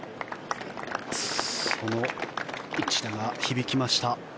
その一打が響きました。